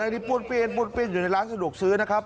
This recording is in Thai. อันนี้ปุ้นปินปุ้นปินอยู่ในร้านสะดวกซื้อนะครับ